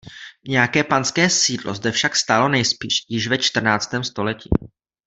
Nějaké panské sídlo zde však stálo nejspíš již ve čtrnáctém století.